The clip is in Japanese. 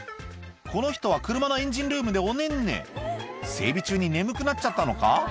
この人は車のエンジンルームでおねんね整備中に眠くなっちゃったのか？